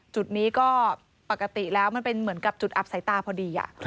จุดนี้ก็ปกติแล้วมันเป็นเหมือนกับจุดอับสายตาพอดี